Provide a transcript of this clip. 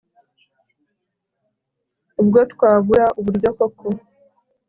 ubwo twabura uburyo koko